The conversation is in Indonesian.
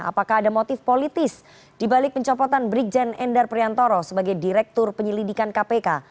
apakah ada motif politis dibalik pencopotan brigjen endar priantoro sebagai direktur penyelidikan kpk